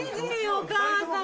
お母さん。